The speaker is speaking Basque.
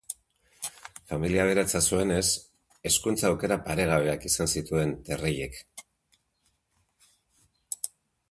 Familia aberatsa zuenez, hezkuntza-aukera paregabeak izan zituen Terrellek.